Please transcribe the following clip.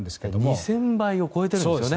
２０００倍を超えているんですね。